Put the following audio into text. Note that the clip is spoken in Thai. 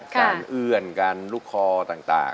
การอื่นการลุกคอต่าง